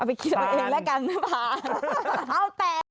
เอาไปคิดตัวเองแล้วกันผ่านเอาแต่